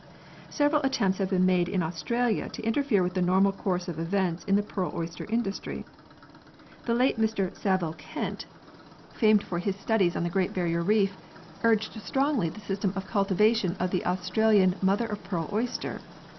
Several attempts have been made in Australia to interfere with the normal course of events in the pearl oyster industry. The late Mr Saville Kent, x] PEARLS AND SCIENCE 129 famed for his studies on the Great Barrier reef, urged strongly the system of cultivation of the Aus tralian mother of pearl oyster.